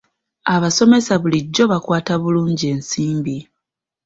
Abasomesa bulijjo bakwata bulungi ensimbi.